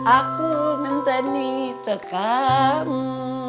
aku menteni tegakmu